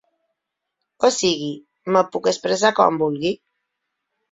O sigui, me puc expressar com vulgui.